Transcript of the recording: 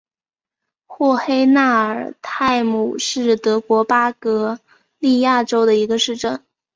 霍黑纳尔泰姆是德国巴伐利亚州的一个市镇。